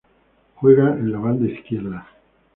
Juega en la banda izquierda.